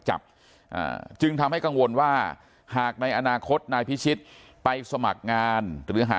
จับจึงทำให้กังวลว่าหากในอนาคตนายพิชิตไปสมัครงานหรือหา